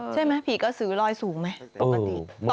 ใช่มั้ยผีกระซื้อลอยสูงไหม